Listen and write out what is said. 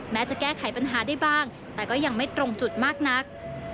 จะแก้ไขปัญหาได้บ้างแต่ก็ยังไม่ตรงจุดมากนัก